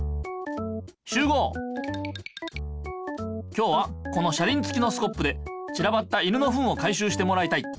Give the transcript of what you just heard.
今日はこの車りんつきのスコップでちらばった犬のフンを回しゅうしてもらいたい。